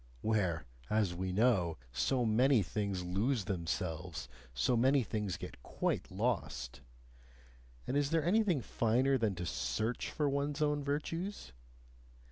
where, as we know, so many things lose themselves, so many things get quite lost! And is there anything finer than to SEARCH for one's own virtues?